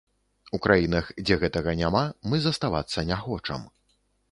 У краінах, дзе гэтага няма, мы заставацца не хочам.